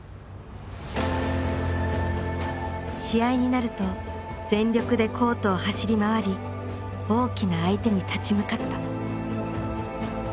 試合になると全力でコートを走り回り大きな相手に立ち向かった。